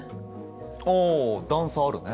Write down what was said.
ああ段差あるね。